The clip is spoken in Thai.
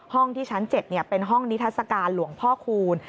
ห้องที่ชั้น๗เป็นห้องนิทัศกาลหลวงพ่อคูณ